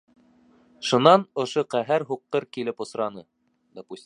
Шунан ошо ҡәһәр һуҡҡыр килеп осраны.